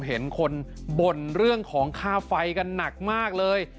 เห็นคนบ่นเรื่องของค่าไฟกันหนักมากเลย